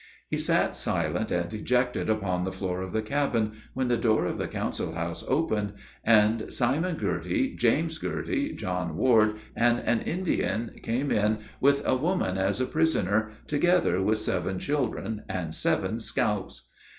He sat silent and dejected upon the floor of the cabin, when the door of the council house opened, and Simon Girty, James Girty, John Ward, and an Indian, came in with a woman as a prisoner, together with seven children and seven scalps.